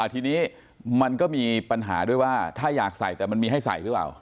ทีนี้มันก็มีปัญหาด้วยว่าถ้าอยากใส่แต่มันมีให้ใส่หรือเปล่า